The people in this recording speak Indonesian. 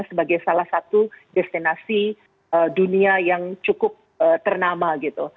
sebagai salah satu destinasi dunia yang cukup ternama gitu